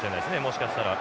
もしかしたら。